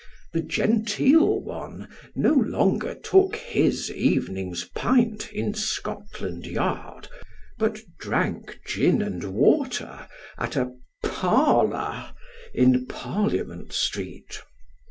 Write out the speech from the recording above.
The genteel one no 5O Sketches by Boz. longer took his evening's pint in Scotland Yard, but drank gin and water at a " parlour " in Parliament Street.